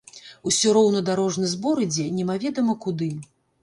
Усё роўна дарожны збор ідзе немаведама куды.